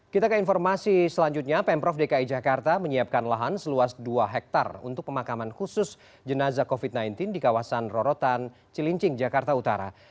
kita ke informasi selanjutnya pemprov dki jakarta menyiapkan lahan seluas dua hektare untuk pemakaman khusus jenazah covid sembilan belas di kawasan rorotan cilincing jakarta utara